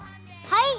はい！